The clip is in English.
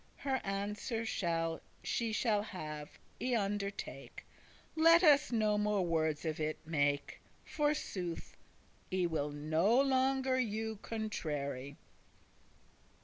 Her answer she shall have, I undertake, Let us no more wordes of it make. Forsooth, I will no longer you contrary."